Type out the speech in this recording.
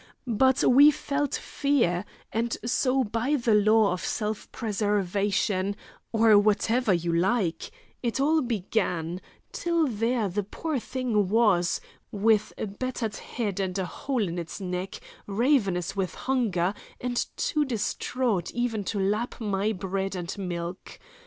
But we felt fear, and so by the law of self preservation, or what ever you like—it all began, till there the poor thing was, with a battered head and a hole in its neck, ravenous with hunger, and too distraught even to lap my bread and milk.